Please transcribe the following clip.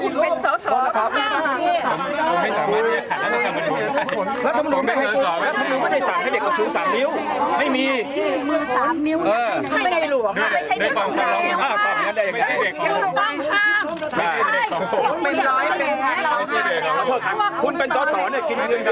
และคุณไม่ได้สั่งให้เด็กเขาชื้นสามนิ้ว